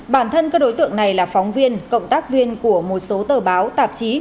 bản thân các đối tượng này là phóng viên cộng tác viên của một số tờ báo tạp chí